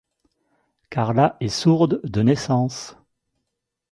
Carla est sourde de naissance.